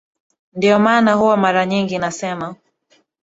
Ndio maana huwa mara nyingi nasema